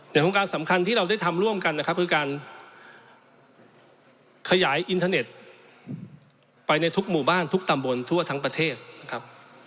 โครงการสำคัญที่เราได้ทำร่วมกันนะครับคือการขยายอินเทอร์เน็ตไปในทุกหมู่บ้านทุกตำบลทั่วทั้งประเทศนะครับ